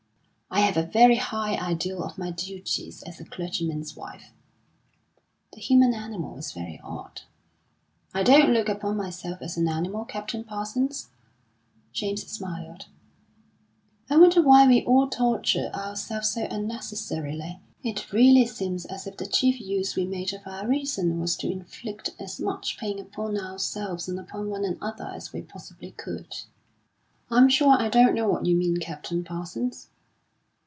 "I have a very high ideal of my duties as a clergyman's wife." "The human animal is very odd." "I don't look upon myself as an animal, Captain Parsons." James smiled. "I wonder why we all torture ourselves so unnecessarily. It really seems as if the chief use we made of our reason was to inflict as much pain upon ourselves and upon one another as we possibly could." "I'm sure I don't know what you mean, Captain Parsons."